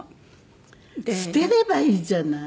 捨てればいいじゃない。